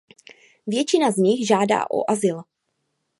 Většina z nich žádá o azyl.